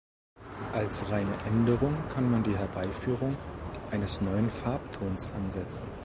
Als reine Änderung kann man die Herbeiführung eines neuen Farbtons ansetzen.